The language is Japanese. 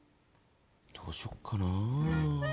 どうしよっかな。